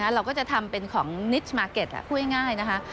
เราก็จะทำเป็นของนิสมาร์เก็ตพูดง่ายนะคะ